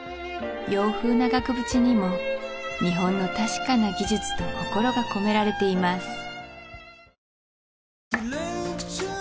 洋風な額縁にも日本の確かな技術と心が込められています